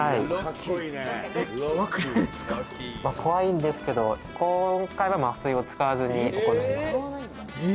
怖いんですけど今回は麻酔を使わずに行います。